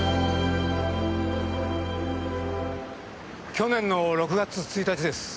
去年の６月１日です。